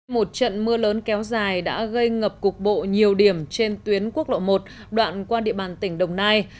một trận mưa lớn kéo dài đã gây ngập cục bộ nhiều điểm trên tuyến quốc lộ một đoạn qua địa bàn tỉnh đồng nai